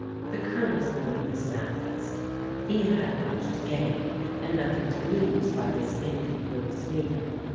The Colonel's motive is manifest. He had much to gain and nothing to lose by this incongruous union.